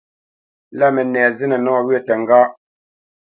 Lâ mənɛ zínə nɔwyə̂ təŋgá.